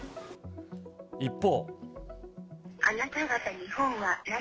一方。